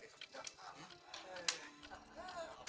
ayo buka semuanya